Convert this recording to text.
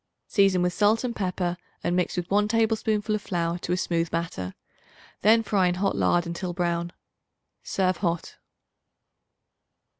Season with salt and pepper and mix with 1 tablespoonful of flour to a smooth batter; then fry in hot lard until brown. Serve hot.